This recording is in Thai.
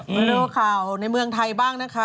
มาดูข่าวในเมืองไทยบ้างนะคะ